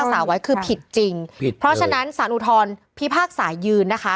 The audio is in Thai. สาวไว้คือผิดจริงผิดเพราะฉะนั้นสารอุทธรพิพากษายืนนะคะ